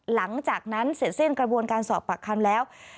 หลังจากนั้นเสร็จสิ้นกระบวนการสอบปากคำแล้ว